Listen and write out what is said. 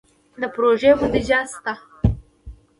د پروژو بودیجه شته؟